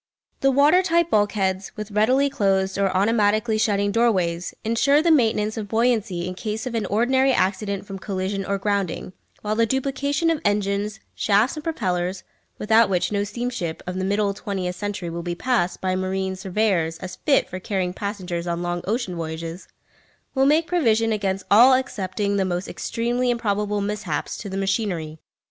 The water tight bulkheads, with readily closed or automatically shutting doorways, ensure the maintenance of buoyancy in case of any ordinary accident from collision or grounding, while the duplication of engines, shafts and propellers without which no steamship of the middle twentieth century will be passed by marine surveyors as fit for carrying passengers on long ocean voyages will make provision against all excepting the most extremely improbable mishaps to the machinery.